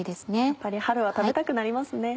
やっぱり春は食べたくなりますね。